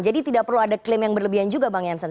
jadi tidak perlu ada klaim yang berlebihan juga bang jansen